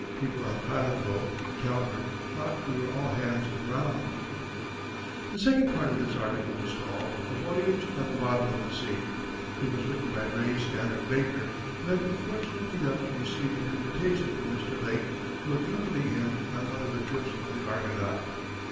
People on pilot boat Calvert thought we were all hands drowned. The second part of this article was called "A Voyage on the Bottom of the Sea." It was written by Ray Stannard Baker, who had been fortunate enough to receive an invitation from Mr. Lake to accompany him on one of the trips of the Argonaut.